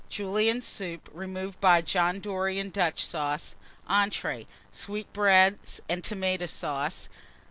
Julienne Soup, removed by John Dory and Dutch Sauce. Entrées Sweetbreads and Tomata Sauce.